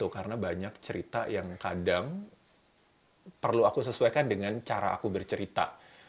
karena banyak cerita yang kadang perlu aku sesuaikan dengan cara aku bercerita